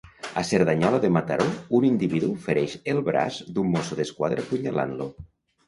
A Cerdanyola de Mataró, un individu fereix el braç d'un Mosso d'Esquadra apunyalant-lo.